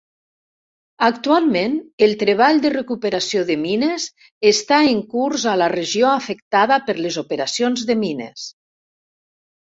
Actualment, el treball de recuperació de mines està en curs a la regió afectada per les operacions de mines.